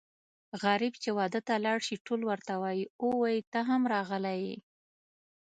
غريب چې واده ته لاړ شي ټول ورته وايي اووی ته هم راغلی یې.